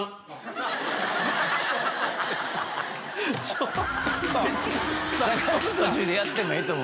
ちょっと！